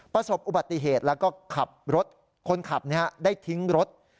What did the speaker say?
ประสบอุบัติเหตุแล้วก็ขับรถคนขับได้ทิ้งรถ